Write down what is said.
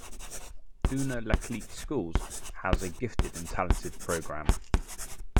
Unalakleet schools has a Gifted and Talented program.